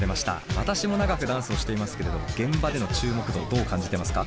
私も長くダンスをしていますけれど現場での注目度どう感じてますか？